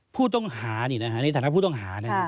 ผู้ต้องหาในฐานะผู้ต้องหา